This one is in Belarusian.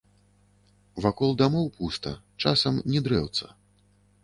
Вакол дамоў пуста, часам ні дрэўца.